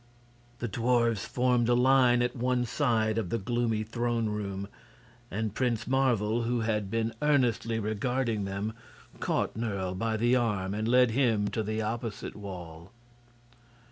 The dwarfs formed a line at one side of the gloomy throne room, and Prince Marvel, who had been earnestly regarding them, caught Nerle by the arm and led him to the opposite wall.